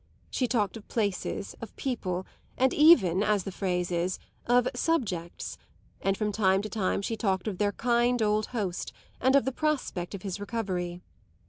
She talked of places, of people and even, as the phrase is, of "subjects"; and from time to time she talked of their kind old host and of the prospect of his recovery.